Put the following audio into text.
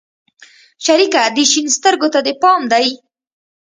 شريکه دې شين سترگو ته پام دى؟